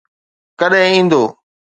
ڪڏهن ايندو؟